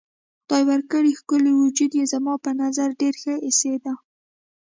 خدای ورکړی ښکلی وجود یې زما په نظر ډېر ښه ایسېده.